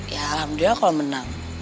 ya alhamdulillah kalau menang